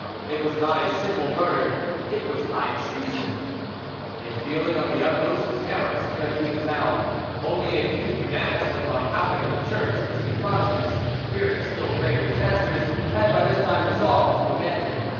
It was not a simple murder, it was high treason. A feeling of the utmost terror spread through the town; only a few fanatics went on howling in the church, which the Protestants, fearing still greater disasters, had by this time resolved to abandon.